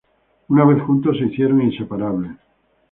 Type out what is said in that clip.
Una vez juntos se hicieron inseparables.